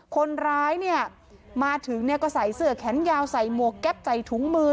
คนร้ายเนี่ยมาถึงเนี่ยก็ใส่เสื้อแขนยาวใส่หมวกแก๊ปใส่ถุงมือ